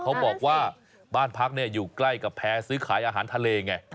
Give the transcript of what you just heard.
เขาบอกว่าบ้านพักอยู่ใกล้กับแพ้ซื้อขายอาหารทะเลไง